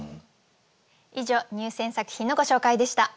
以上入選作品のご紹介でした。